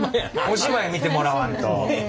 お芝居見てもらわんと。